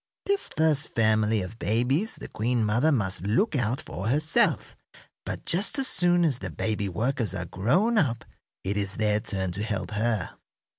This first family of babies the queen mother must look out for herself, but just as soon as the baby workers are grown up it is their turn to help her.